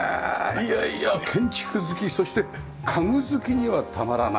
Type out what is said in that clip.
いやいや建築好きそして家具好きにはたまらない。